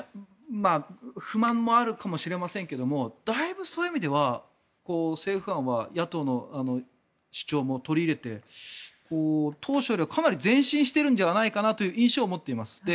不満もあるかもしれませんけどもだいぶ、そういう意味では政府案は野党の主張も取り入れて当初よりはかなり善戦しているのではという印象を持っています。